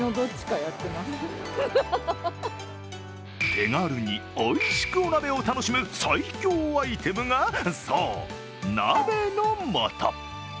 手軽においしくお鍋を楽しむ最強アイテムが、そう、鍋の素！